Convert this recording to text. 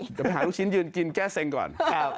เดี๋ยวไปหาลูกชิ้นยืนกินแก้เซ็งก่อน